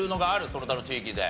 その他の地域で。